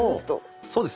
そうです。